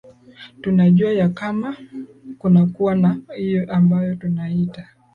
tunajua ya kama kunakuwa na hiyo ambayo tunaita